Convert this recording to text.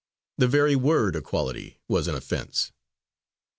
The very word "equality" was an offence.